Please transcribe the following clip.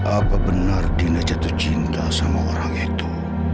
apa benar dina jatuh cinta sama orang itu